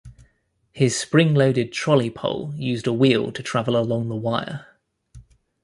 His spring-loaded trolley pole used a wheel to travel along the wire.